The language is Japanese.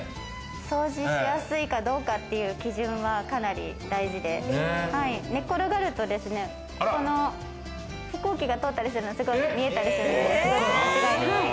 掃除しやすいかどうかっていう基準は、かなり大事で、寝転がると飛行機が通ったりするのが見えたりするんですよ。